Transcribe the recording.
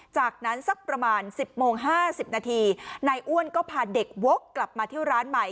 จากนั้นสักประมาณ๑๐โมง๕๐นาทีนายอ้วนก็พาเด็กวกกลับมาที่ร้านใหม่